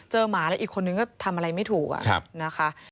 เจอหมาแล้วอีกคนนึงก็ทำอะไรไม่ถูก